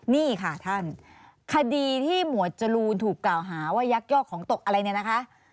นี่ค่ะท่านคดีที่หมวดจรูนถูกกล่าวหาว่ายักยอกของตกอะไรเนี่ยนะคะ